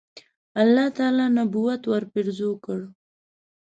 الله تعالی نبوت ورپېرزو کړ.